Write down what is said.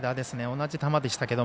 同じ球でしたけど。